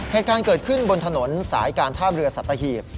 เหตุการณ์เกิดขึ้นบนถนนสายการท่ามเรือสัตหีบ